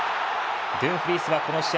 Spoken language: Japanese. ドゥンフリースはこの試合